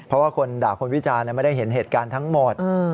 เพราะว่าคนด่าคนวิจารณ์ไม่ได้เห็นเหตุการณ์ทั้งหมด